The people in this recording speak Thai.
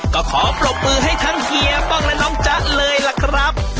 ก็ขอปรบมือให้ทั้งเฮียป้องและน้องจ๊ะเลยล่ะครับ